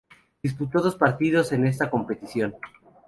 Disputó dos partidos en esta competición.